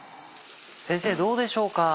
先生どうでしょうか？